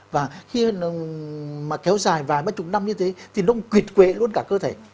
và khi nó kéo dài vài mấy chục năm như thế thì nó cũng quyệt quệ luôn cả cơ thể